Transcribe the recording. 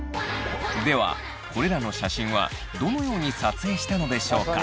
ではこれらの写真はどのように撮影したのでしょうか？